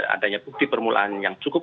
adanya bukti permulaan yang cukup